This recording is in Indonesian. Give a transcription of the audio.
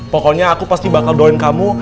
pokoknya aku pasti bakal doin kamu